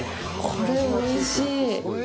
これ、おいしい。